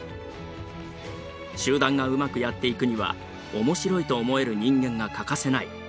集団がうまくやっていくには面白いと思える人間が欠かせない。